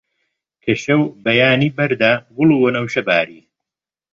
کە شەو بەیانی بەردا، گوڵ و وەنەوشە باری